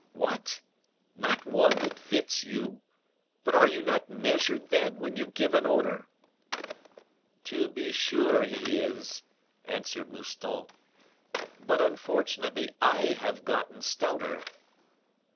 "What? not one that fits you? But are you not measured, then, when you give an order?" "To be sure he is," answered Mouston; "but unfortunately I have gotten stouter!"